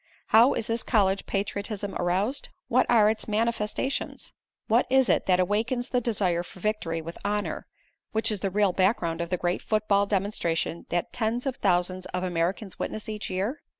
How is this college patriotism aroused? What are its manifestations? What is it that awakens the desire for victory with honor, which is the real background of the great football demonstration that tens of thousands of Americans witness each year?